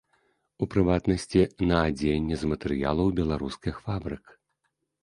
У прыватнасці, на адзенне з матэрыялаў беларускіх фабрык.